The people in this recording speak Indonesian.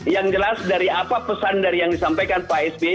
yang jelas dari apa pesan dari yang disampaikan pak sby